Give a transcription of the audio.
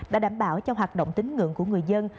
đã đảm bảo cho hoạt động tính ngưỡng của người dân